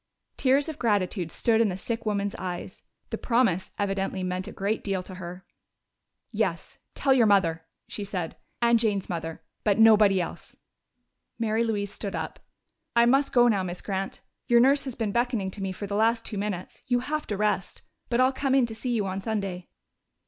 Tears of gratitude stood in the sick woman's eyes; the promise evidently meant a great deal to her. "Yes, tell your mother," she said. "And Jane's mother. But nobody else." Mary Louise stood up. "I must go now, Miss Grant. Your nurse has been beckoning to me for the last two minutes. You have to rest.... But I'll come in to see you on Sunday."